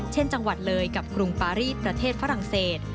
เช่นจังหวัดเลยกับกรุงปารีสประเทศฝรั่งเศส